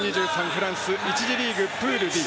フランス１次リーグ、プールＤ。